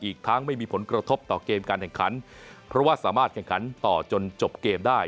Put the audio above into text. อีกทั้งไม่มีผลกระทบต่อเกมการแข่งขันเพราะว่าสามารถแข่งขันต่อจนจบเกมได้